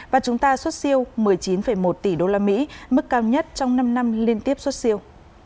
và chúng ta xuất siêu một mươi chín một tỷ usd mức cao nhất trong năm năm liên tiếp xuất siêu